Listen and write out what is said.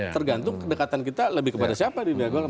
tergantung kedekatan kita lebih kepada siapa di dunia golkar